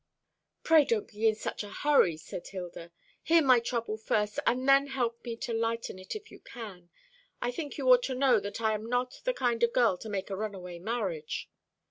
"Pray don't be in such a hurry," said Hilda. "Hear my trouble first, and then help me to lighten it, if you can. I think you ought to know that I am not the kind of girl to make a runaway marriage."